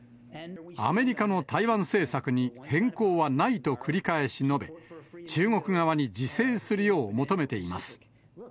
アメリカの台湾政策に変更はないと繰り返し述べ、中国側に自制するよう求めています。